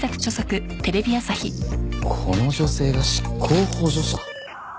この女性が執行補助者？